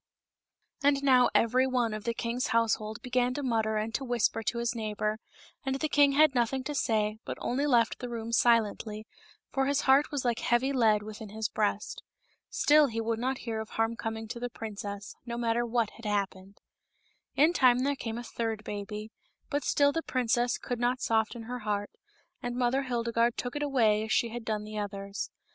MOTHER HILDEGARDE. 20I And now every one of the king's household began to mutter and to whisper to his neighbor, and the king had nothing to say, but only left the room silently, for his heart was like heavy lead within his breast. Still he would not hear of harm coming to the princess, no matter what had happened. In time there came a third baby, but still the princess could not soften her heart, and Mother Hildegarde took it away as she had done the others.